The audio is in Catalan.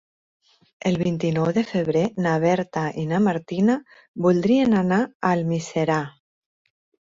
El vint-i-nou de febrer na Berta i na Martina voldrien anar a Almiserà.